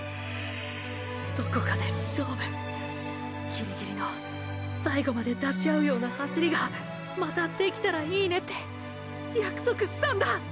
どこかで勝負ーーギリギリの最後まで出しあうような走りがまたできたらいいねって約束したんだ！